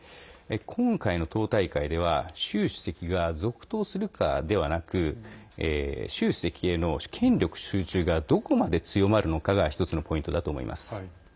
今回の党大会では習主席が続投するかではなく習主席への権力集中がどこまで強まるのかが１つのポイントだと思います。